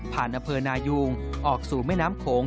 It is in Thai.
อำเภอนายุงออกสู่แม่น้ำโขง